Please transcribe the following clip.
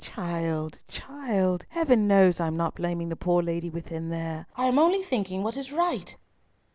"Child, child! Heaven knows I am not blaming the poor lady within there. I am only thinking what is right."